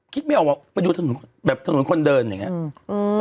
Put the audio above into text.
คิดไม่ออกว่ามาอยู่ถนนแบบถนนคนเดินอะไรอย่างนี้